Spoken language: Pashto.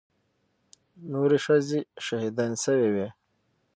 نورې ښځې شهيدانې سوې وې.